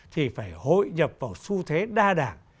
thì phải hội nhập vào xu thế đa đảng